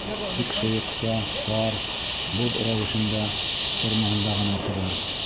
Тик шыйыҡса, пар, боҙ рәүешендә, формаһында ғына тора.